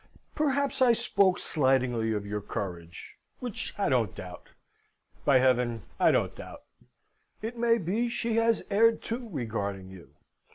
Perhaps I spoke slightingly of your courage, which I don't doubt by Heaven, I don't doubt: it may be, she has erred, too, regarding you.